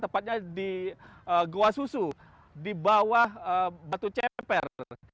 tepatnya di goa susu di bawah batu ceper